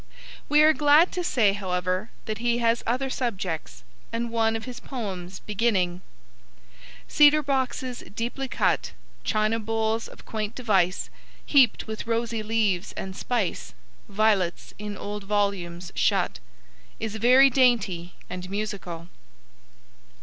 We are glad to say, however, that he has other subjects, and one of his poems beginning: Cedar boxes deeply cut, China bowls of quaint device, Heap'd with rosy leaves and spice, Violets in old volumes shut is very dainty and musical.